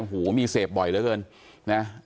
โอ้โหมีเสพบ่อยเหลือเกินนะ